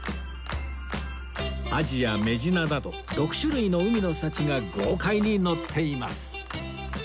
アジやメジナなど６種類の海の幸が豪快にのっています